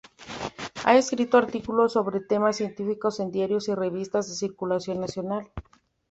Ha escrito artículos sobre temas científicos en diarios y revistas de circulación nacional.